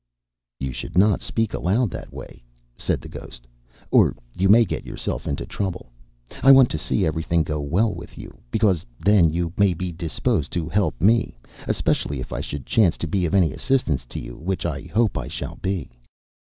"You should not speak aloud that way," said the ghost, "or you may get yourself into trouble. I want to see everything go well with you, because then you may be disposed to help me, especially if I should chance to be of any assistance to you, which I hope I shall be."